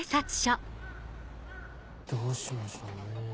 どうしましょうね。